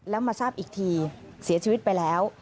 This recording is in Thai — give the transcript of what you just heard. แล้วมาทราบอีกทีเสียชีวิตไปแล้ว